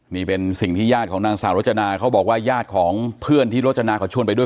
นี่เป็นสิ่งที่ญาติของนางสาวรจนาเขาบอกว่าญาติของเพื่อนที่โรจนาเขาชวนไปด้วย